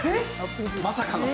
まさかの。